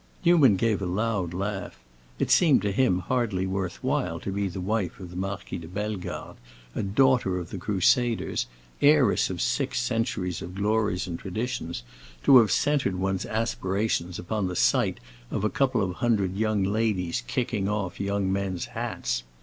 Newman gave a loud laugh. It seemed to him hardly worth while to be the wife of the Marquis de Bellegarde, a daughter of the crusaders, heiress of six centuries of glories and traditions, to have centred one's aspirations upon the sight of a couple of hundred young ladies kicking off young men's hats.